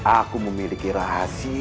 aku memiliki rahasia